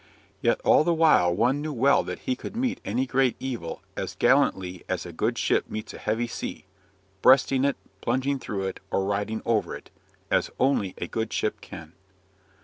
Yet, all the while one knew well that he could meet any great evil as gallantly as a good ship meets a heavy sea breasting it, plunging through it, or riding over it, as only a good ship can.